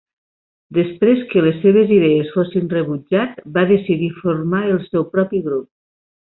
Després que les seves idees fossin rebutjat, va decidir formar el seu propi grup.